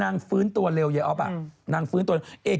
ฟื้นตัวเร็วเยออฟนางฟื้นตัวเร็ว